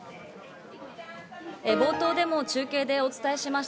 冒頭でも中継でお伝えしまし